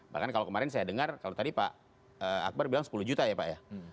bahkan kalau kemarin saya dengar kalau tadi pak akbar bilang sepuluh juta ya pak ya